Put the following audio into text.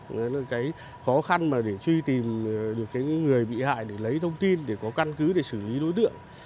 đấy là cái khó khăn mà để truy tìm được cái người bị hại để lấy thông tin để có căn cứ để xử lý đối tượng